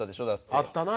あったな。